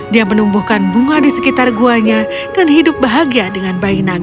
dia menumbuhkan bunga di sekitar guanya dan hidup bahagia dengan bayi naga